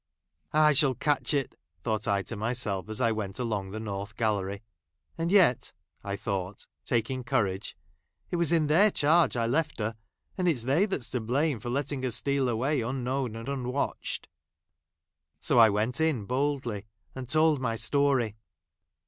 |" I shall catch it," thought I to myself, as I went along the north gallery. " And yet," I thought, taking courage, "it was in their | charge I left her ; and it 's they that 's to ' blame for letting her steal away unknown and | unwatched." So I went in boldly, and told my I story.